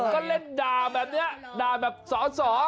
ก็เล่นด่าแบบนี้ด่าแบบสอสอ